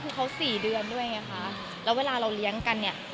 คือเขาสี่เดือนด้วยไงคะแล้วเวลาเราเลี้ยงกันเนี่ย